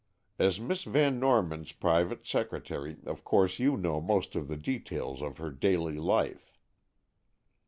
As Miss Van Norman's private secretary, of course you know most of the details of her daily life."